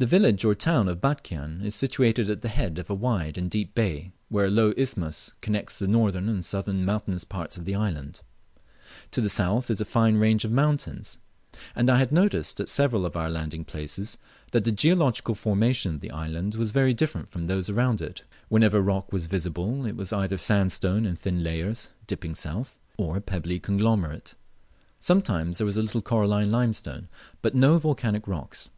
The village or town of Batchian is situated at the head of a wide and deep bay, where a low isthmus connects the northern and southern mountainous parts of the island. To the south is a fine range of mountains, and I had noticed at several of our landing places that the geological formation of the island was very different from those around it. Whenever rock was visible it was either sandstone in thin layers, dipping south, or a pebbly conglomerate. Sometimes there was a little coralline limestone, but no volcanic rocks.